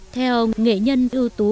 theo nghệ nhân ưu tú